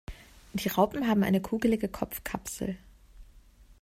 Die Raupen haben eine kugelige Kopfkapsel.